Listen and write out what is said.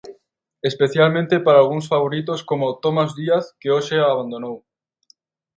Especialmente para algúns favoritos como Tomás Díaz, que hoxe abandonou.